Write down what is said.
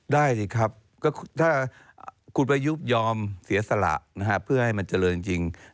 ได้สิครับก็ถ้าคุณประยุบยอมเสียสละเพื่อให้มันเจริญจริง